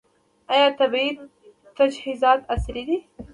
آیا طبي تجهیزات عصري دي؟